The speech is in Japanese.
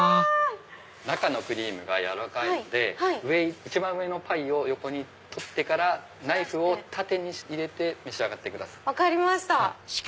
中のクリームが軟らかいので一番上のパイを横に取ってからナイフを縦に入れて召し上がってください。